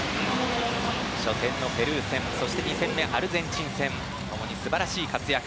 初戦のペルー戦２戦目、アルゼンチン戦共に素晴らしい活躍。